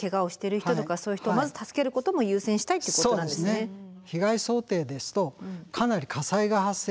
そうですね。